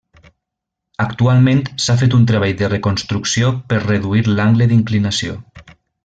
Actualment s'ha fet un treball de reconstrucció per reduir l'angle d'inclinació.